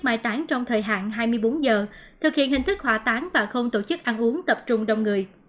mai tán trong thời hạn hai mươi bốn giờ thực hiện hình thức hỏa tán và không tổ chức ăn uống tập trung đông người